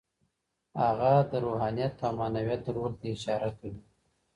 هغه د روحانيت او معنويت رول ته اشاره کوي.